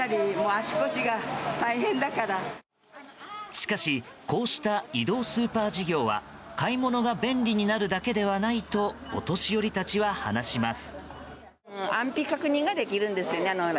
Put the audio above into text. しかしこうした移動スーパー事業は買い物が便利になるだけではないとお年寄りたちは話します。